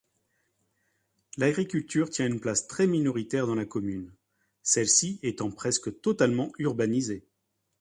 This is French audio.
L'agriculture tient une place très minoritaire dans la commune, celle-ci étant presque totalement urbanisée.